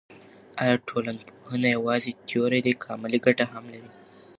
آیا ټولنپوهنه یوازې تیوري ده که عملي ګټه هم لري.